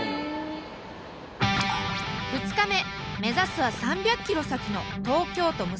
２日目目指すは３００ｋｍ先の東京都武蔵野市。